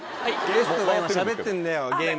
ゲストが今しゃべってんだよ。